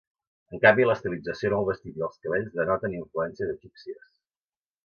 En canvi l'estilització en el vestit i els cabells denoten influències egípcies.